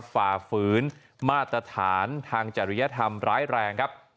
ฝ่าฝืนมาตรฐานทางจริยธรรมร้ายแรงครับ